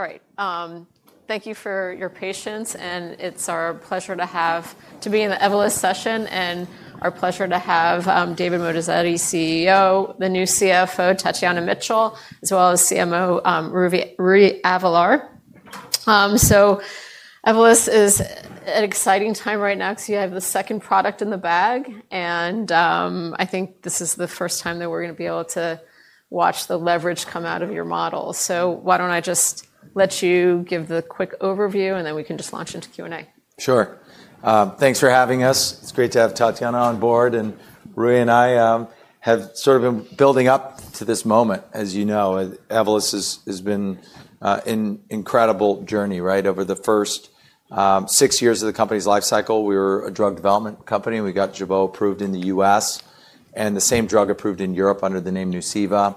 All right. Thank you for your patience. It is our pleasure to be in the Evolus session, and our pleasure to have David Moatazedi, CEO, the new CFO, Tatjana Mitchell, as well as CMO Rui Avelar. Evolus is an exciting time right now because you have the second product in the bag. I think this is the first time that we are going to be able to watch the leverage come out of your model. Why do I not just let you give the quick overview, and then we can just launch into Q&A? Sure. Thanks for having us. It's great to have Tatjana on board. Rui and I have sort of been building up to this moment. As you know, Evolus has been an incredible journey. Over the first six years of the company's life cycle, we were a drug development company. We got Jeuveau approved in the U.S. and the same drug approved in Europe under the name Nuceiva.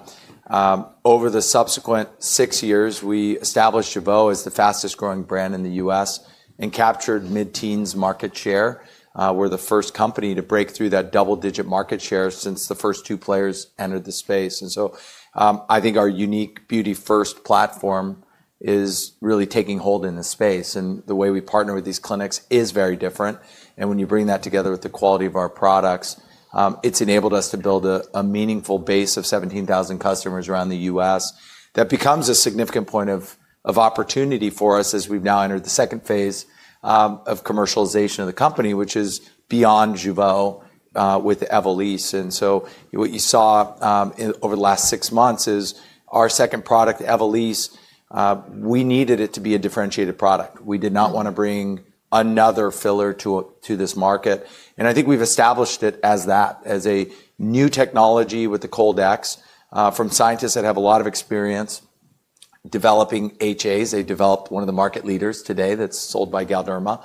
Over the subsequent six years, we established Jeuveau as the fastest growing brand in the U.S. and captured mid-teens market share. We're the first company to break through that double-digit market share since the first two players entered the space. I think our unique beauty-first platform is really taking hold in the space. The way we partner with these clinics is very different. When you bring that together with the quality of our products, it's enabled us to build a meaningful base of 17,000 customers around the U.S. That becomes a significant point of opportunity for us as we've now entered the second phase of commercialization of the company, which is beyond Jeuveau with Evolus. What you saw over the last six months is our second product, Evolysse. We needed it to be a differentiated product. We did not want to bring another filler to this market. I think we've established it as that, as a new technology with the Cold-X from scientists that have a lot of experience developing HAs. They developed one of the market leaders today that's sold by Galderma.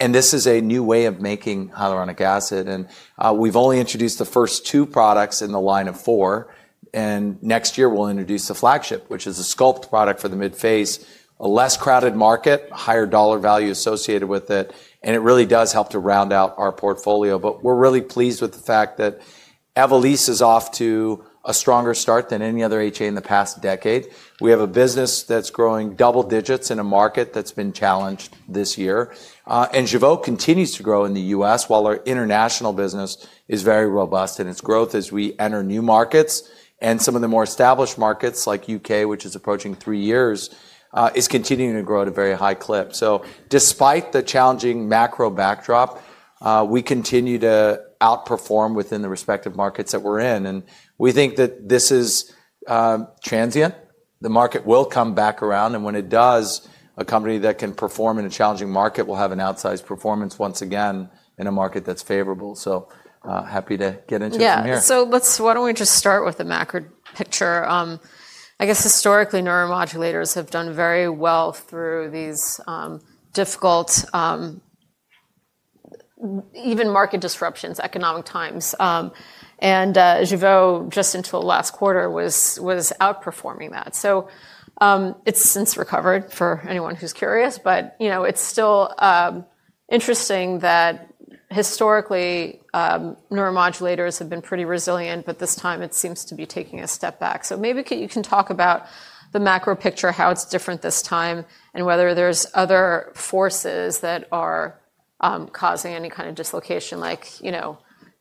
This is a new way of making hyaluronic acid. We've only introduced the first two products in the line of four. Next year, we'll introduce the flagship, which is a sculpt product for the mid-face, a less crowded market, higher dollar value associated with it. It really does help to round out our portfolio. We're really pleased with the fact that Evolus is off to a stronger start than any other HA in the past decade. We have a business that's growing double digits in a market that's been challenged this year. Jeuveau continues to grow in the U.S. while our international business is very robust. Its growth as we enter new markets and some of the more established markets like the U.K., which is approaching three years, is continuing to grow at a very high clip. Despite the challenging macro-backdrop, we continue to outperform within the respective markets that we're in. We think that this is transient. The market will come back around. When it does, a company that can perform in a challenging market will have an outsized performance once again in a market that's favorable. Happy to get into it from here. Yeah. Why don't we just start with the macro-picture? I guess historically, neuromodulators have done very well through these difficult, even market disruptions, economic times. And Jeuveau, just until last quarter, was outperforming that. It has since recovered for anyone who's curious. It's still interesting that historically, neuromodulators have been pretty resilient. This time, it seems to be taking a step back. Maybe you can talk about the macro picture, how it's different this time, and whether there's other forces that are causing any kind of dislocation. Like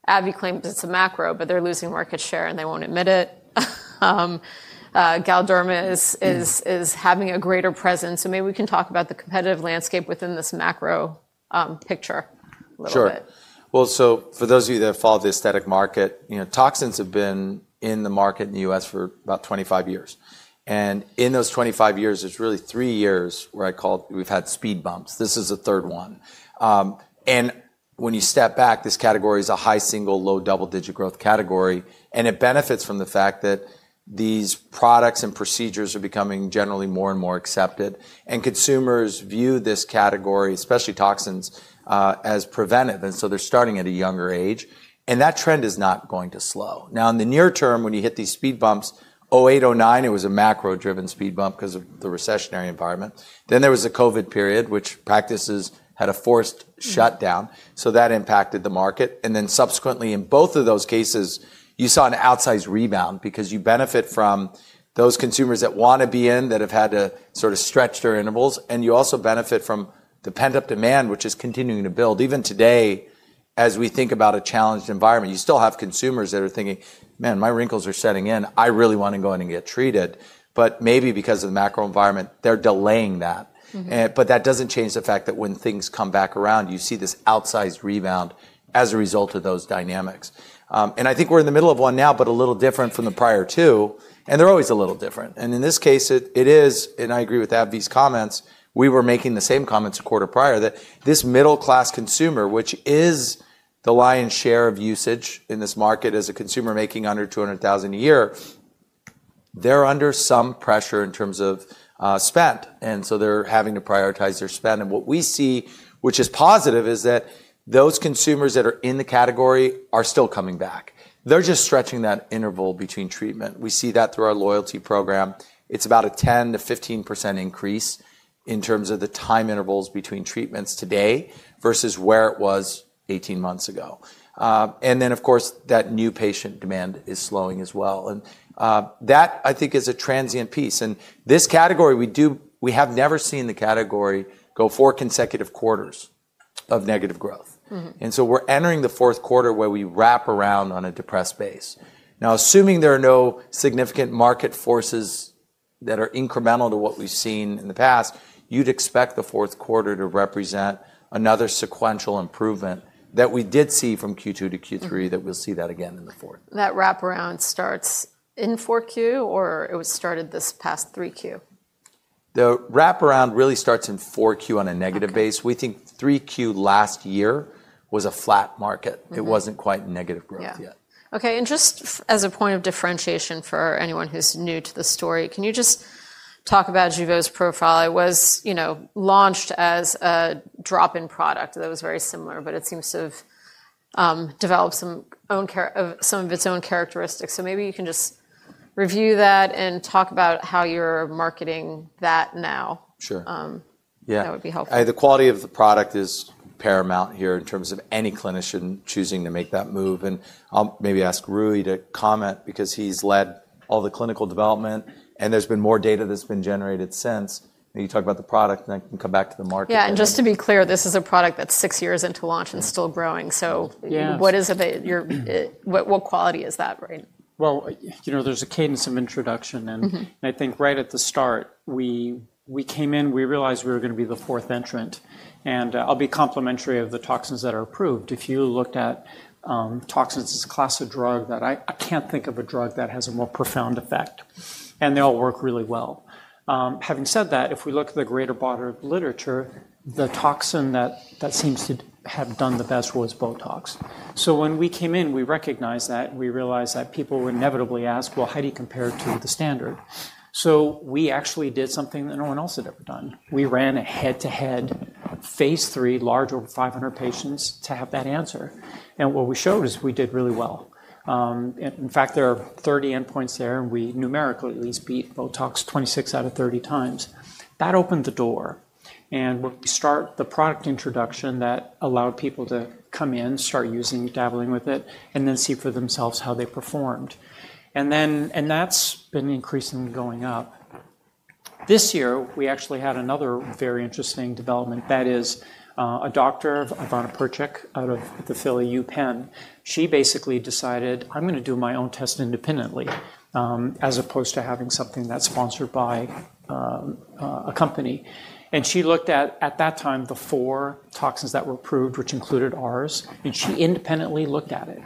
AbbVie claims it's a macro, but they're losing market share and they won't admit it. Galderma is having a greater presence. Maybe we can talk about the competitive landscape within this macro-picture a little bit. Sure. For those of you that follow the aesthetic market, toxins have been in the market in the U.S. for about 25 years. In those 25 years, there are really three years where I called we've had speed bumps. This is the third one. When you step back, this category is a high single, low double-digit growth category. It benefits from the fact that these products and procedures are becoming generally more and more accepted. Consumers view this category, especially toxins, as preventive. They are starting at a younger age. That trend is not going to slow. Now, in the near term, when you hit these speed bumps, 2008, 2009, it was a macro-driven speed bump because of the recessionary environment. There was a COVID period, which practices had a forced shutdown. That impacted the market. Then subsequently, in both of those cases, you saw an outsized rebound because you benefit from those consumers that want to be in that have had to sort of stretch their intervals. You also benefit from the pent-up demand, which is continuing to build. Even today, as we think about a challenged environment, you still have consumers that are thinking, "Man, my wrinkles are setting in. I really want to go in and get treated." Maybe because of the macro-environment, they're delaying that. That doesn't change the fact that when things come back around, you see this outsized rebound as a result of those dynamics. I think we're in the middle of one now, but a little different from the prior two. They're always a little different. In this case, it is. I agree with AbbVie's comments. We were making the same comments a quarter prior that this middle-class consumer, which is the lion's share of usage in this market as a consumer making under $200,000 a year, they're under some pressure in terms of spend. They're having to prioritize their spend. What we see, which is positive, is that those consumers that are in the category are still coming back. They're just stretching that interval between treatment. We see that through our loyalty program. It's about a 10%-15% increase in terms of the time intervals between treatments today versus where it was 18 months ago. Of course, that new patient demand is slowing as well. That, I think, is a transient piece. In this category, we have never seen the category go four consecutive quarters of negative growth. We're entering the fourth quarter where we wrap around on a depressed base. Now, assuming there are no significant market forces that are incremental to what we've seen in the past, you'd expect the fourth quarter to represent another sequential improvement that we did see from Q2-Q3, that we'll see that again in the fourth. That wrap-around starts in 4Q, or it was started this past 3Q? The wrap-around really starts in Q4 on a negative base. We think Q3 last year was a flat market. It wasn't quite negative growth yet. Yeah. OK. And just as a point of differentiation for anyone who's new to the story, can you just talk about Jeuveau's profile? It was launched as a drop-in product that was very similar, but it seems to have developed some of its own characteristics. Maybe you can just review that and talk about how you're marketing that now. Sure. Yeah. That would be helpful. The quality of the product is paramount here in terms of any clinician choosing to make that move. I'll maybe ask Rui to comment because he's led all the clinical development. There's been more data that's been generated since. You talk about the product, and I can come back to the market. Yeah. Just to be clear, this is a product that's six years into launch and still growing. What is it? What quality is that, right? There is a cadence of introduction. I think right at the start, we came in, we realized we were going to be the fourth entrant. I'll be complimentary of the toxins that are approved. If you looked at toxins as a class of drug, I can't think of a drug that has a more profound effect. They all work really well. Having said that, if we look at the greater broader literature, the toxin that seems to have done the best was Botox. When we came in, we recognized that. We realized that people were inevitably asked, "How do you compare to the standard?" We actually did something that no one else had ever done. We ran a head-to-head phase three, large, over 500 patients, to have that answer. What we showed is we did really well. In fact, there are 30 endpoints there. We numerically at least beat Botox 26 out of 30x. That opened the door. When we start the product introduction, that allowed people to come in, start using, dabbling with it, and then see for themselves how they performed. That has been increasingly going up. This year, we actually had another very interesting development. That is a doctor, Ivona Percec, out of the Philly U Penn. She basically decided, "I'm going to do my own test independently as opposed to having something that's sponsored by a company." She looked at, at that time, the four toxins that were approved, which included ours. She independently looked at it.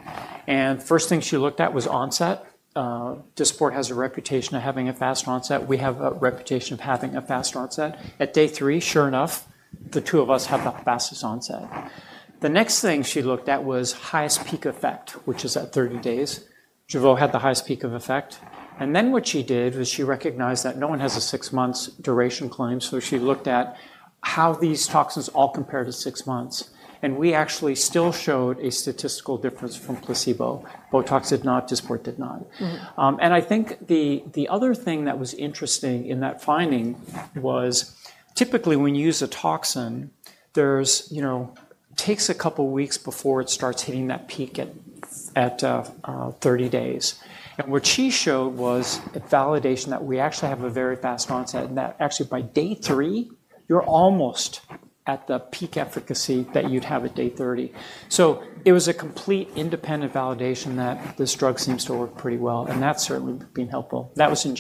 The first thing she looked at was onset. Dysport has a reputation of having a fast onset. We have a reputation of having a fast onset. At day three, sure enough, the two of us have the fastest onset. The next thing she looked at was highest peak effect, which is at 30 days. Jeuveau had the highest peak of effect. The next thing she did was she recognized that no one has a six-month duration claim. She looked at how these toxins all compared to six months. We actually still showed a statistical difference from placebo. Botox did not. Dysport did not. I think the other thing that was interesting in that finding was typically when you use a toxin, it takes a couple of weeks before it starts hitting that peak at 30 days. What she showed was validation that we actually have a very fast onset. Actually, by day three, you are almost at the peak efficacy that you would have at day 30. It was a complete independent validation that this drug seems to work pretty well. That has certainly been helpful. That was in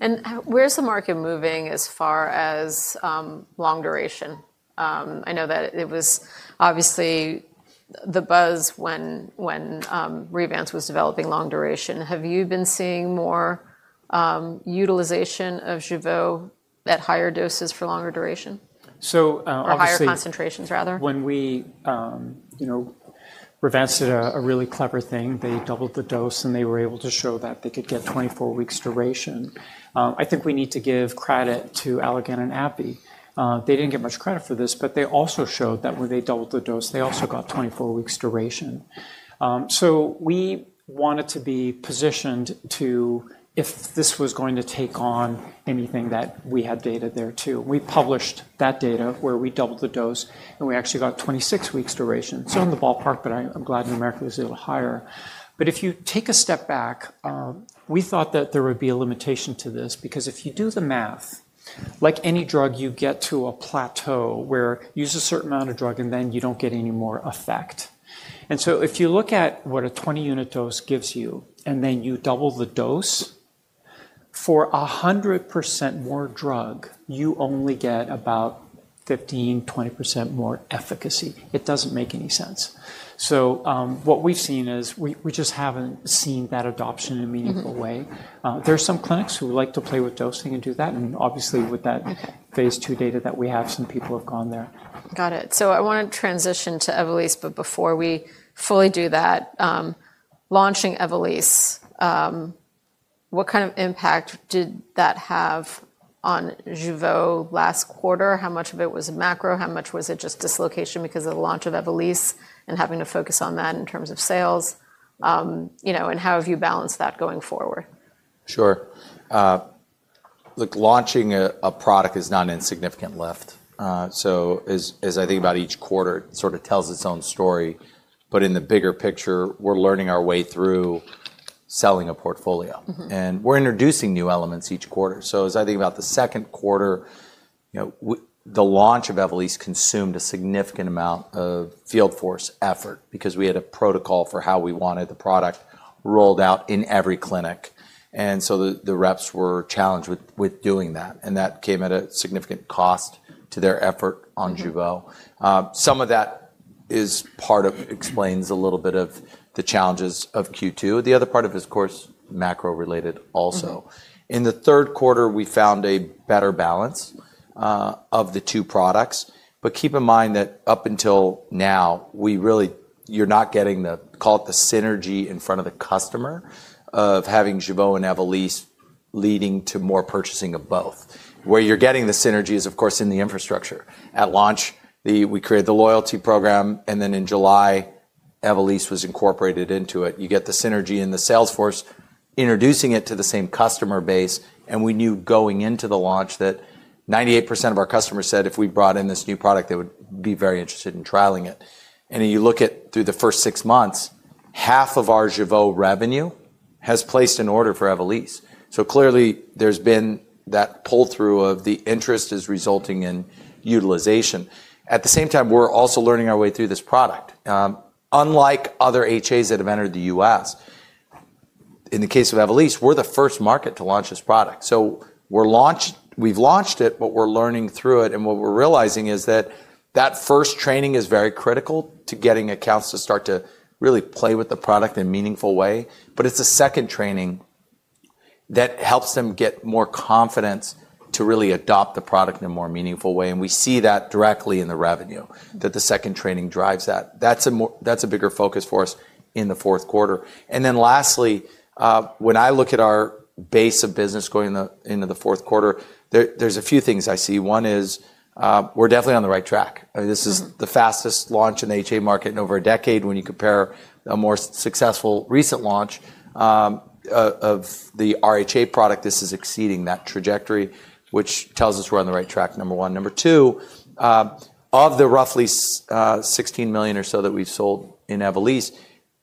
Germany. Where's the market moving as far as long duration? I know that it was obviously the buzz when Revance was developing long duration. Have you been seeing more utilization of Jeuveau at higher doses for longer duration? Higher concentrations, rather. When Revance did a really clever thing, they doubled the dose. And they were able to show that they could get 24 weeks duration. I think we need to give credit to Allergan and AbbVie. They did not get much credit for this. But they also showed that when they doubled the dose, they also got 24 weeks duration. So we wanted to be positioned to if this was going to take on anything that we had data there too. We published that data where we doubled the dose. And we actually got 26 weeks duration. So in the ballpark. But I am glad numerically it was a little higher. But if you take a step back, we thought that there would be a limitation to this. Because if you do the math, like any drug, you get to a plateau where you use a certain amount of drug, and then you do not get any more effect. If you look at what a 20-unit dose gives you, and then you double the dose, for 100% more drug, you only get about 15%-20% more efficacy. It does not make any sense. What we have seen is we just have not seen that adoption in a meaningful way. There are some clinics who like to play with dosing and do that. Obviously, with that phase two data that we have, some people have gone there. Got it. I want to transition to Evolus. Before we fully do that, launching Evolysse, what kind of impact did that have on Jeuveau last quarter? How much of it was macro? How much was it just dislocation because of the launch of Evolysse and having to focus on that in terms of sales? How have you balanced that going forward? Sure. Look, launching a product is not an insignificant lift. As I think about each quarter, it sort of tells its own story. In the bigger picture, we're learning our way through selling a portfolio. We're introducing new elements each quarter. As I think about the second quarter, the launch of Evolysse consumed a significant amount of field force effort because we had a protocol for how we wanted the product rolled out in every clinic. The reps were challenged with doing that. That came at a significant cost to their effort on Jeuveau. Some of that explains a little bit of the challenges of Q2. The other part of it is, of course, macro-related also. In the third quarter, we found a better balance of the two products. Keep in mind that up until now, you're not getting the, call it the synergy in front of the customer of having Jeuveau and Evolysse leading to more purchasing of both. Where you're getting the synergy is, of course, in the infrastructure. At launch, we created the loyalty program. Then in July, Evolus was incorporated into it. You get the synergy in the sales force, introducing it to the same customer base. We knew going into the launch that 98% of our customers said if we brought in this new product, they would be very interested in trialing it. You look at through the first six months, half of our Jeuveau revenue has placed an order for Evolysse. Clearly, there has been that pull-through of the interest is resulting in utilization. At the same time, we're also learning our way through this product. Unlike other HAs that have entered the U.S., in the case of Evolysse, we're the first market to launch this product. We have launched it, but we're learning through it. What we're realizing is that that first training is very critical to getting accounts to start to really play with the product in a meaningful way. It is a second training that helps them get more confidence to really adopt the product in a more meaningful way. We see that directly in the revenue, that the second training drives that. That is a bigger focus for us in the fourth quarter. Lastly, when I look at our base of business going into the fourth quarter, there are a few things I see. One is we are definitely on the right track. This is the fastest launch in the HA market in over a decade. When you compare a more successful recent launch of the RHA product, this is exceeding that trajectory, which tells us we're on the right track, number one. Number two, of the roughly 16 million or so that we've sold in Evolysse,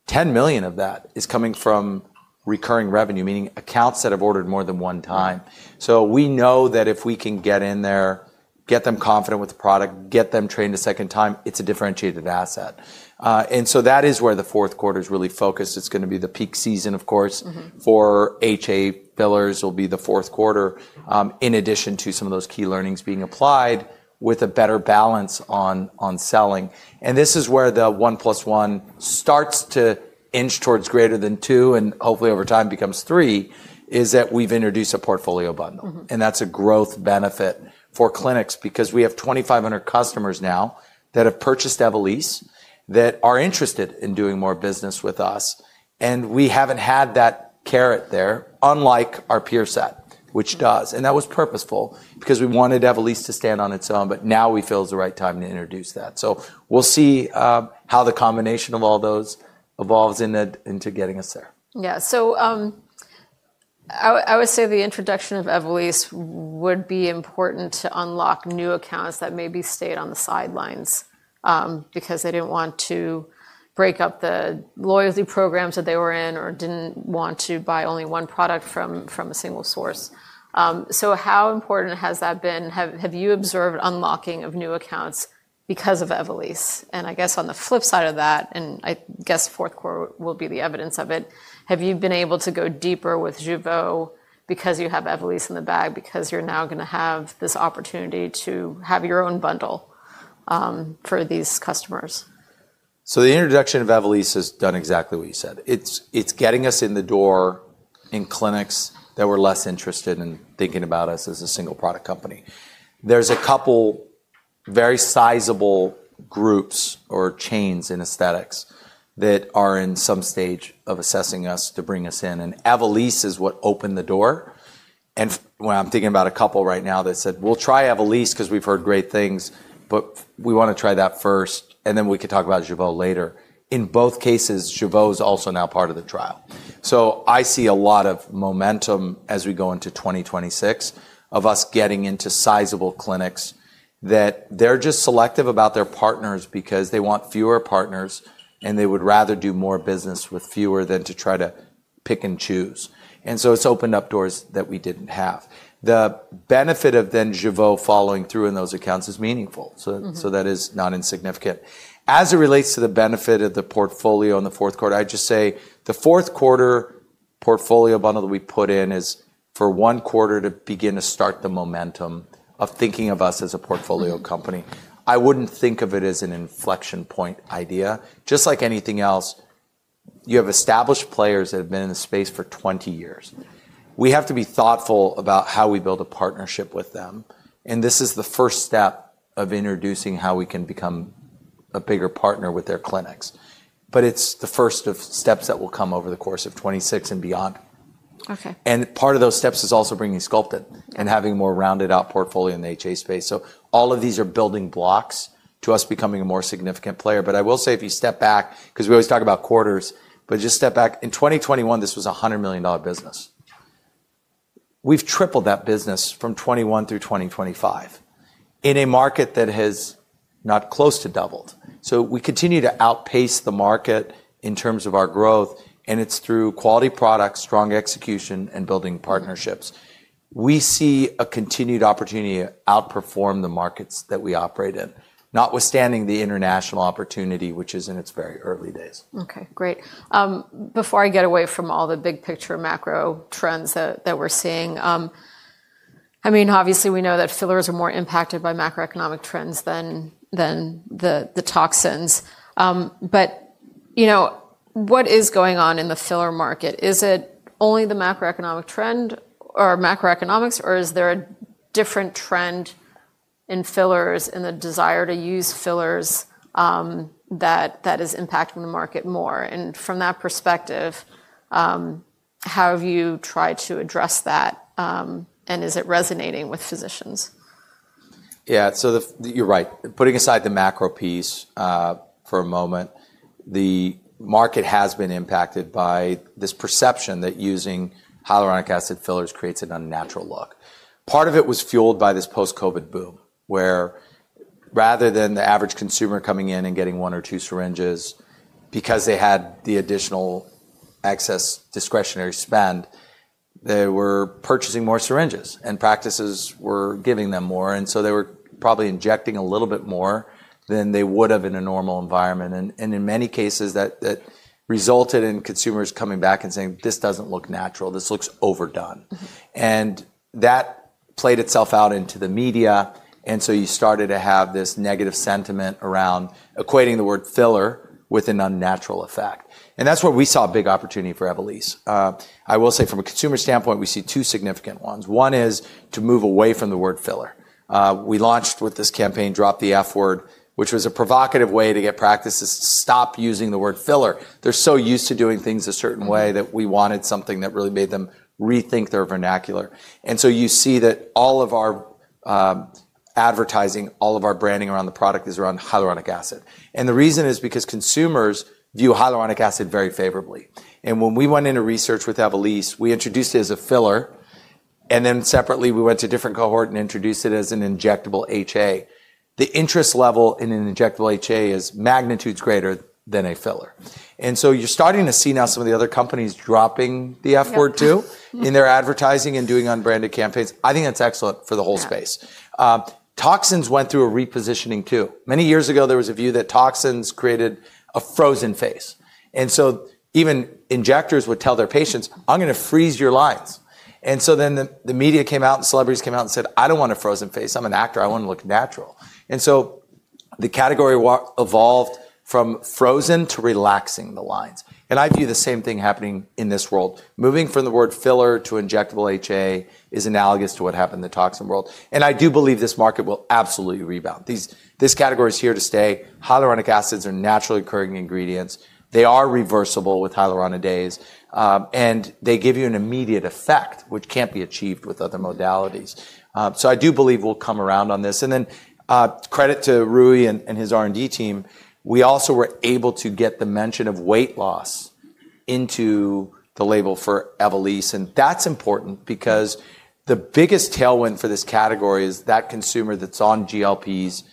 10 million of that is coming from recurring revenue, meaning accounts that have ordered more than one time. So we know that if we can get in there, get them confident with the product, get them trained a second time, it's a differentiated asset. And that is where the fourth quarter is really focused. It's going to be the peak season, of course. For HA fillers, it will be the fourth quarter, in addition to some of those key learnings being applied with a better balance on selling. This is where the 1+1 starts to inch towards greater than 2 and hopefully over time becomes 3, is that we've introduced a portfolio bundle. That's a growth benefit for clinics because we have 2,500 customers now that have purchased Evolysse that are interested in doing more business with us. We haven't had that carrot there, unlike our peer set, which does. That was purposeful because we wanted Evolysse to stand on its own. Now we feel it's the right time to introduce that. We'll see how the combination of all those evolves into getting us there. Yeah. I would say the introduction of Evolysse would be important to unlock new accounts that maybe stayed on the sidelines because they did not want to break up the loyalty programs that they were in or did not want to buy only one product from a single source. How important has that been? Have you observed unlocking of new accounts because ofyEsevolus? I guess on the flip side of that, and I guess fourth quarter will be the evidence of it, have you been able to go deeper with Jeuveau because you have Evolysse in the bag, because you are now going to have this opportunity to have your own bundle for these customers? The introduction of Evolysse has done exactly what you said. It's getting us in the door in clinics that were less interested in thinking about us as a single product company. There's a couple very sizable groups or chains in aesthetics that are in some stage of assessing us to bring us in. Evolysse is what opened the door. I'm thinking about a couple right now that said, "We'll try Evolysse because we've heard great things. We want to try that first. Then we can talk about Jeuveau later." In both cases, Jeuveau is also now part of the trial. I see a lot of momentum as we go into 2026 of us getting into sizable clinics that are just selective about their partners because they want fewer partners. They would rather do more business with fewer than to try to pick and choose. It has opened up doors that we did not have. The benefit of then Jeuveau following through in those accounts is meaningful. That is not insignificant. As it relates to the benefit of the portfolio in the fourth quarter, I would just say the fourth quarter portfolio bundle that we put in is for one quarter to begin to start the momentum of thinking of us as a portfolio company. I would not think of it as an inflection point idea. Just like anything else, you have established players that have been in the space for 20 years. We have to be thoughtful about how we build a partnership with them. This is the first step of introducing how we can become a bigger partner with their clinics. It is the first of steps that will come over the course of 2026 and beyond. Part of those steps is also bringing Sculpt and having a more rounded-out portfolio in the HA space. All of these are building blocks to us becoming a more significant player. I will say if you step back, because we always talk about quarters, just step back. In 2021, this was a $100 million business. We have tripled that business from 2021 through 2025 in a market that has not close to doubled. We continue to outpace the market in terms of our growth. It is through quality products, strong execution, and building partnerships. We see a continued opportunity to outperform the markets that we operate in, notwithstanding the international opportunity, which is in its very early days. OK, great. Before I get away from all the big picture macro-trends that we're seeing, I mean, obviously, we know that fillers are more impacted by macro-economic trends than the toxins. What is going on in the filler market? Is it only the macroeconomic trend or macro-economics? Or is there a different trend in fillers and the desire to use fillers that is impacting the market more? From that perspective, how have you tried to address that? Is it resonating with physicians? Yeah. You're right. Putting aside the macro piece for a moment, the market has been impacted by this perception that using hyaluronic acid fillers creates an unnatural look. Part of it was fueled by this post-COVID boom, where rather than the average consumer coming in and getting one or two syringes, because they had the additional excess discretionary spend, they were purchasing more syringes. Practices were giving them more. They were probably injecting a little bit more than they would have in a normal environment. In many cases, that resulted in consumers coming back and saying, "This doesn't look natural. This looks overdone." That played itself out into the media. You started to have this negative sentiment around equating the word filler with an unnatural effect. That's where we saw a big opportunity for Evolus. I will say from a consumer standpoint, we see two significant ones. One is to move away from the word filler. We launched with this campaign, Drop the F word, which was a provocative way to get practices to stop using the word filler. They're so used to doing things a certain way that we wanted something that really made them rethink their vernacular. You see that all of our advertising, all of our branding around the product is around hyaluronic acid. The reason is because consumers view hyaluronic acid very favorably. When we went into research with Evolus, we introduced it as a filler. Then separately, we went to a different cohort and introduced it as an injectable HA. The interest level in an injectable HA is magnitudes greater than a filler. You're starting to see now some of the other companies dropping the F word too in their advertising and doing unbranded campaigns. I think that's excellent for the whole space. Toxins went through a repositioning too. Many years ago, there was a view that toxins created a frozen face. Even injectors would tell their patients, "I'm going to freeze your lines." The media came out and celebrities came out and said, "I don't want a frozen face. I'm an actor. I want to look natural." The category evolved from frozen to relaxing the lines. I view the same thing happening in this world. Moving from the word filler to injectable HA is analogous to what happened in the toxin world. I do believe this market will absolutely rebound. This category is here to stay. Hyaluronic acids are naturally occurring ingredients. They are reversible with hyaluronidase. They give you an immediate effect, which cannot be achieved with other modalities. I do believe we will come around on this. Credit to Rui and his R&D team. We also were able to get the mention of weight loss into the label for Evolus. That is important because the biggest tailwind for this category is that consumer that is on GLPs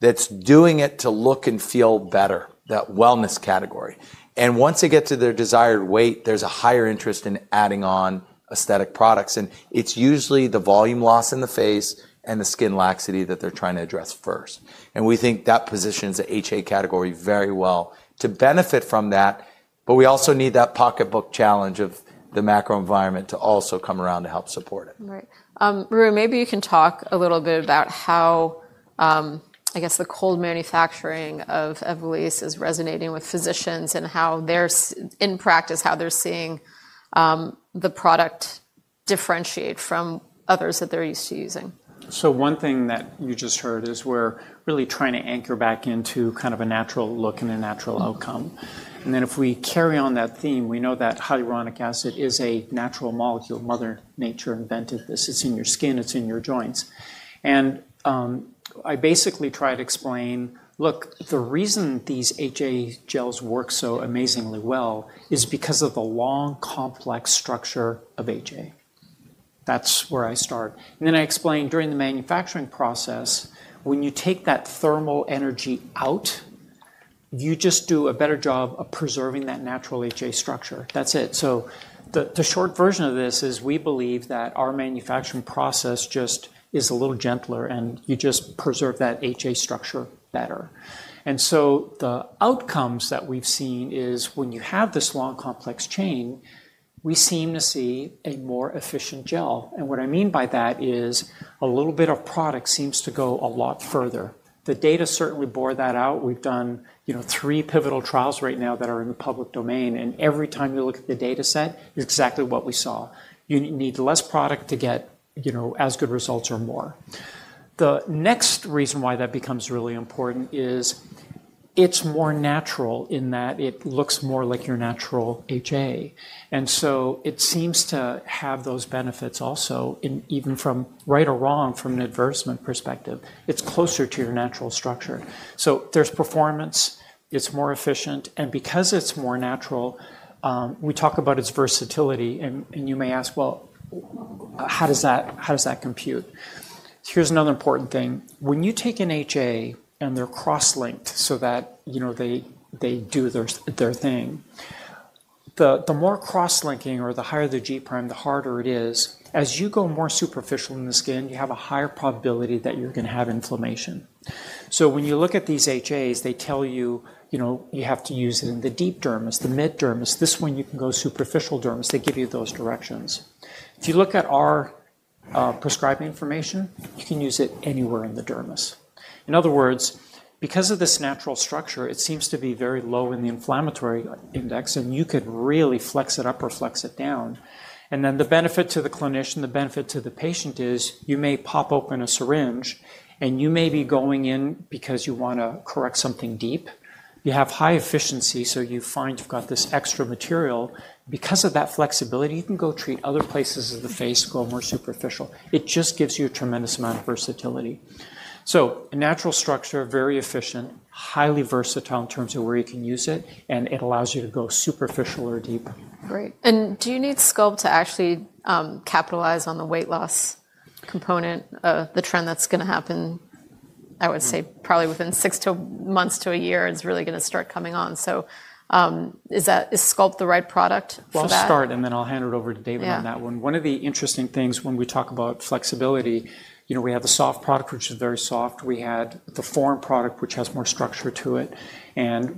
that is doing it to look and feel better, that wellness category. Once they get to their desired weight, there is a higher interest in adding on aesthetic products. It is usually the volume loss in the face and the skin laxity that they are trying to address first. We think that positions the HA category very well to benefit from that. We also need that pocketbook challenge of the macro environment to also come around to help support it. Right. Rui, maybe you can talk a little bit about how, I guess, the cold manufacturing of Evolus is resonating with physicians and in practice how they're seeing the product differentiate from others that they're used to using. One thing that you just heard is we're really trying to anchor back into kind of a natural look and a natural outcome. If we carry on that theme, we know that hyaluronic acid is a natural molecule. Mother Nature invented this. It's in your skin. It's in your joints. I basically try to explain, look, the reason these HA gels work so amazingly well is because of the long, complex structure of HA. That's where I start. I explain during the manufacturing process, when you take that thermal energy out, you just do a better job of preserving that natural HA structure. That's it. The short version of this is we believe that our manufacturing process just is a little gentler, and you just preserve that HA structure better. The outcomes that we've seen is when you have this long, complex chain, we seem to see a more efficient gel. What I mean by that is a little bit of product seems to go a lot further. The data certainly bore that out. We've done three pivotal trials right now that are in the public domain. Every time you look at the data set, it's exactly what we saw. You need less product to get as good results or more. The next reason why that becomes really important is it's more natural in that it looks more like your natural HA. It seems to have those benefits also, even from right or wrong, from an adversement perspective. It's closer to your natural structure. There's performance. It's more efficient. Because it's more natural, we talk about its versatility. You may ask, how does that compute? Here's another important thing. When you take an HA and they're cross-linked so that they do their thing, the more cross-linking or the higher the G prime, the harder it is. As you go more superficial in the skin, you have a higher probability that you're going to have inflammation. When you look at these HAs, they tell you you have to use it in the deep dermis, the mid dermis. This one, you can go superficial dermis. They give you those directions. If you look at our prescribing information, you can use it anywhere in the dermis. In other words, because of this natural structure, it seems to be very low in the inflammatory index. You could really flex it up or flex it down. The benefit to the clinician, the benefit to the patient is you may pop open a syringe. You may be going in because you want to correct something deep. You have high efficiency. You find you've got this extra material. Because of that flexibility, you can go treat other places of the face, go more superficial. It just gives you a tremendous amount of versatility. A natural structure, very efficient, highly versatile in terms of where you can use it. It allows you to go superficial or deep. Great. Do you need Sculpt to actually capitalize on the weight loss component, the trend that's going to happen, I would say, probably within six months to a year? It's really going to start coming on. Is Sculpt the right product for that? We'll start. Then I'll hand it over to David on that one. One of the interesting things when we talk about flexibility, we have the soft product, which is very soft. We have the form product, which has more structure to it.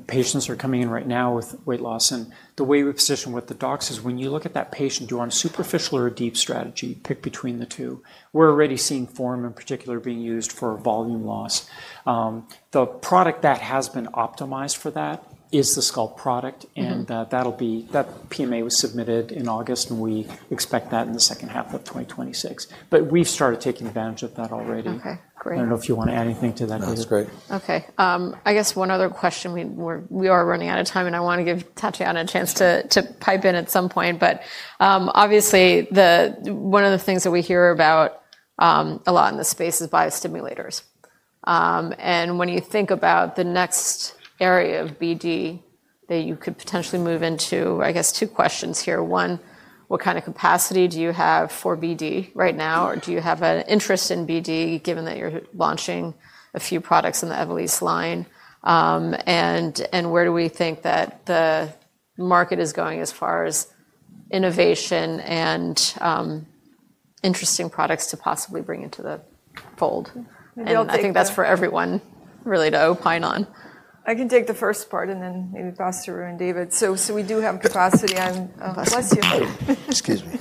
Patients are coming in right now with weight loss. The way we position with the docs is when you look at that patient, do you want a superficial or a deep strategy? Pick between the two. We're already seeing form, in particular, being used for volume loss. The product that has been optimized for that is the Sculpt product. That PMA was submitted in August. We expect that in the second half of 2026. We've started taking advantage of that already. I don't know if you want to add anything to that. That was great. OK. I guess one other question. We are running out of time. I want to give Tatjana a chance to pipe in at some point. Obviously, one of the things that we hear about a lot in this space is Biostimulators. When you think about the next area of BD that you could potentially move into, I guess, two questions here. One, what kind of capacity do you have for BD right now? Or do you have an interest in BD, given that you're launching a few products in the Evolus line? Where do we think that the market is going as far as innovation and interesting products to possibly bring into the fold? I think that's for everyone really to opine on. I can take the first part and then maybe pass to Rui and David. So we do have capacity. Excuse me.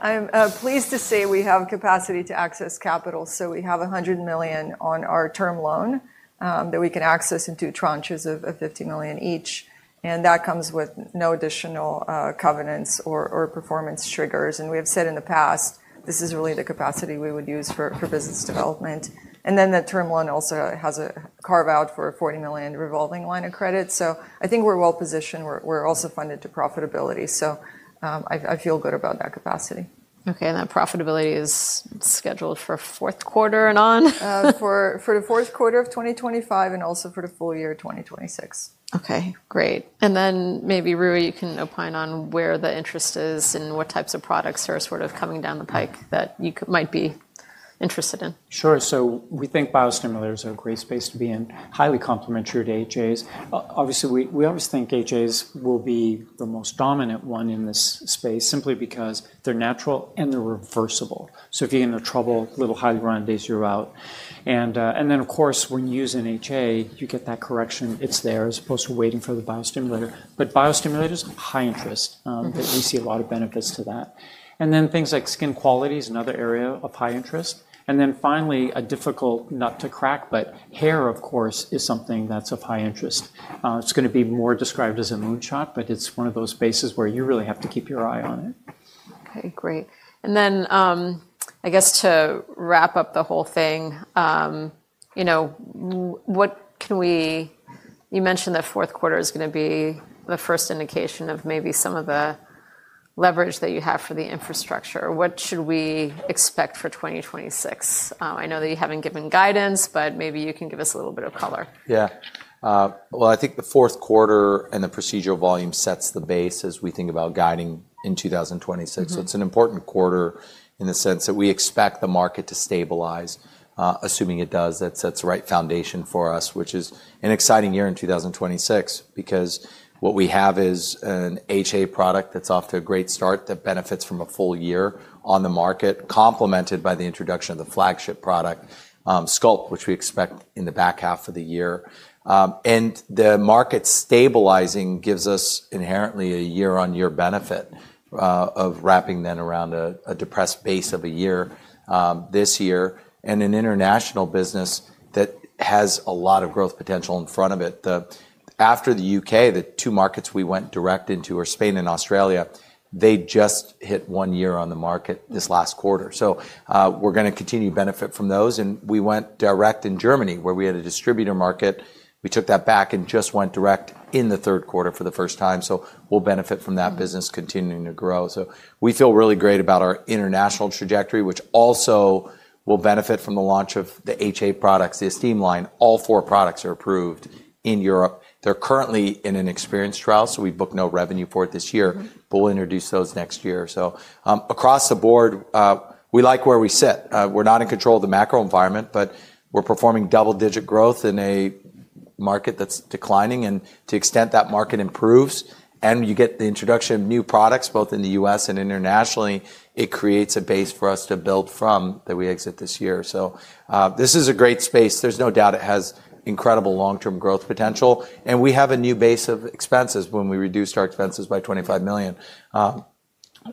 I'm pleased to say we have capacity to access capital. We have $100 million on our term loan that we can access in two tranches of $50 million each. That comes with no additional covenants or performance triggers. We have said in the past, this is really the capacity we would use for Business Development. The term loan also has a carve-out for a $40 million revolving line of credit. I think we are well positioned. We are also funded to profitability. I feel good about that capacity. OK. That profitability is scheduled for fourth quarter and on? For the fourth quarter of 2025 and also for the full year of 2026. OK, great. Maybe Rui, you can opine on where the interest is and what types of products are sort of coming down the pike that you might be interested in. Sure. We think biostimulators are a great space to be in, highly complementary to HAs. Obviously, we always think HAs will be the most dominant one in this space simply because they're natural and they're reversible. If you're in trouble, a little hyaluronidase and you're out. Of course, when you use an HA, you get that correction. It's there as opposed to waiting for the Biostimulator. Biostimulators are high interest. We see a lot of benefits to that. Things like skin quality is another area of high interest. Finally, a difficult nut to crack, but hair, of course, is something that's of high interest. It's going to be more described as a moonshot, but it's one of those spaces where you really have to keep your eye on it. OK, great. I guess to wrap up the whole thing, what can we, you mentioned that fourth quarter is going to be the first indication of maybe some of the leverage that you have for the infrastructure. What should we expect for 2026? I know that you haven't given guidance, but maybe you can give us a little bit of color. Yeah. I think the fourth quarter and the procedural volume sets the base as we think about guiding in 2026. It is an important quarter in the sense that we expect the market to stabilize. Assuming it does, that sets the right foundation for us, which is an exciting year in 2026 because what we have is an HA product that is off to a great start that benefits from a full year on the market, complemented by the introduction of the flagship product, Sculpt, which we expect in the back half of the year. The market stabilizing gives us inherently a year-on-year benefit of wrapping then around a depressed base of a year this year and an international business that has a lot of growth potential in front of it. After the U.K., the two markets we went direct into are Spain and Australia. They just hit one year on the market this last quarter. We are going to continue to benefit from those. We went direct in Germany, where we had a distributor market. We took that back and just went direct in the third quarter for the first time. We will benefit from that business continuing to grow. We feel really great about our international trajectory, which also will benefit from the launch of the HA products, the esteem line. All four products are approved in Europe. They are currently in an experience trial. We booked no revenue for it this year. We will introduce those next year. Across the board, we like where we sit. We are not in control of the macro environment, but we are performing double-digit growth in a market that is declining. To the extent that market improves and you get the introduction of new products both in the U.S. and internationally, it creates a base for us to build from that we exit this year. This is a great space. There is no doubt it has incredible long-term growth potential. We have a new base of expenses when we reduced our expenses by $25 million,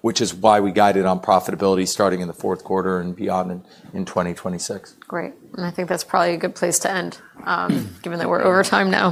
which is why we guided on profitability starting in the fourth quarter and beyond in 2026. Great. I think that's probably a good place to end, given that we're over time now.